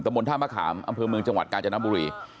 บนท่ามะขามอำเภอเมืองจังหวัดกาญจนบุรี